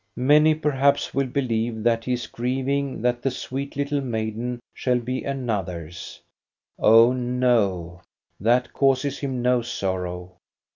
Many perhaps will believe that he is grieving that the sweet little maiden shall be another's. Oh no, that causes him no sorrow.